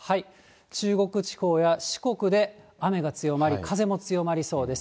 中国地方や四国で雨が強まり、風も強まりそうです。